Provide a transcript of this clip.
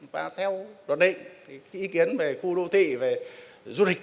và theo luật định ý kiến về khu đô thị về du lịch